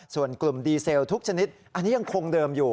ส่วนกลุ่มดีเซลทุกชนิดอันนี้ยังคงเดิมอยู่